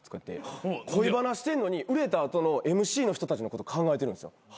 恋バナしてんのに売れた後のＭＣの人たちのこと考えてるんですよ。